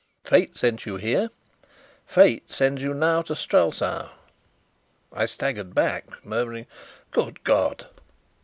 Fate sent you here. Fate sends you now to Strelsau." I staggered back, murmuring "Good God!"